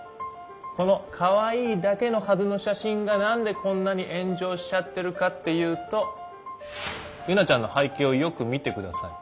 このかわいいだけのはずの写真が何でこんなに炎上しちゃってるかっていうとユナちゃんの背景をよく見てください。